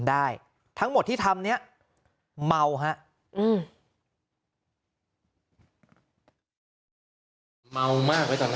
ได้ทั้งหมดที่ทำเนี้ยเมาฮะอืม